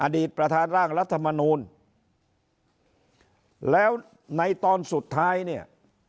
ประธานร่างรัฐมนูลแล้วในตอนสุดท้ายเนี่ย